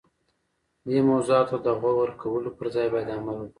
دې موضوعاتو ته د غور کولو پر ځای باید عمل وکړو.